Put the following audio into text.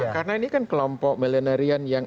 karena ini kan kelompok milenarian yang